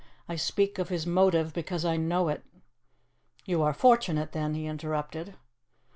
I speak of his motive because I know it." "You are fortunate, then," he interrupted.